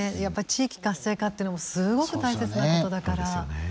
地域活性化っていうのもすごく大切なことだから。